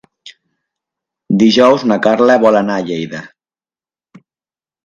Dijous na Carla vol anar a Lleida.